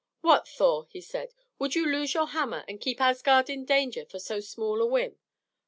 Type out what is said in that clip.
"What, Thor!" he said. "Would you lose your hammer and keep Asgard in danger for so small a whim.